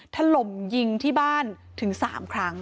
ถล่มยิงที่บ้านถึง๓ครั้ง